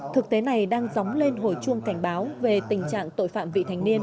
thực tế này đang dóng lên hồi chuông cảnh báo về tình trạng tội phạm vị thành niên